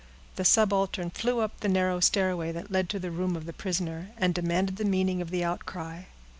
The subaltern flew up the narrow stairway that led to the room of the prisoner, and demanded the meaning of the outcry.